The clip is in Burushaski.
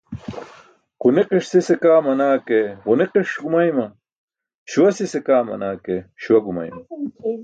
Ġuniqiṣ sise kaa manaa ke ġuniqiṣ gumayma, śuwa sise kaa manaa ke śuwa gumayma.